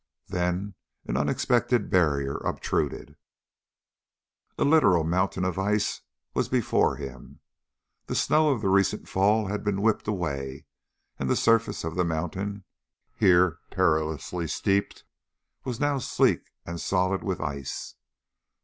Then an unexpected barrier obtruded a literal mountain of ice was before him. The snow of the recent fall had been whipped away, and the surface of the mountain, here perilously steep, was now sleek and solid with ice.